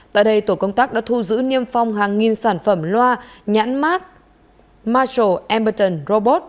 tại đây tổ công tác đã thu giữ niêm phong hàng nghìn sản phẩm loa nhãn mát marshall emberton robot